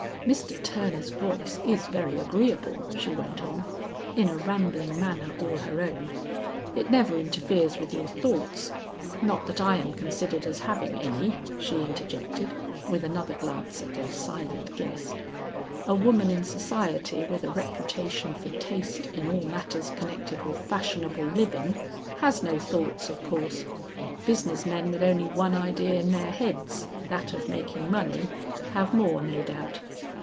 Mr. Turner's voice is very agreeable," she went on, in a rambling manner all her own, "it never interferes with your thoughts; not that I am considered as having any," she interjected with another glance at their silent guest, "a woman in society with a reputation for taste in all matters connected with fashionable living, has no thoughts of course; business men with only one idea in their heads, that of making money, have more no doubt.